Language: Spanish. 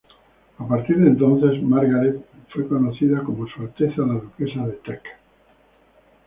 A partir de entonces, Margaret fue conocida como "Su Alteza la Duquesa de Teck".